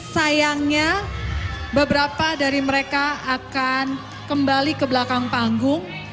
sayangnya beberapa dari mereka akan kembali ke belakang panggung